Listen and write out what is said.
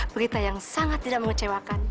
berita yang sangat tidak mengecewakan